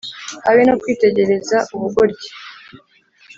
habe no kwitegereza ubugoryi